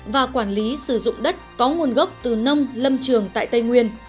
và quản lý sử dụng đất có nguồn gốc từ nông lâm trường tại tây nguyên